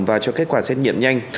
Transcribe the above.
và cho kết quả xét nghiệm nhanh